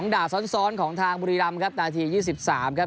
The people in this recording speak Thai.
ด่าซ้อนของทางบุรีรำครับนาที๒๓ครับ